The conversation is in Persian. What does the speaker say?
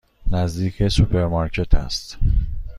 نزدیک سوپرمارکت است.